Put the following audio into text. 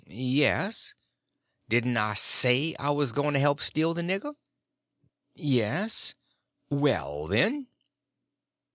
"Yes." "Didn't I say I was going to help steal the nigger?" "Yes." "Well, then."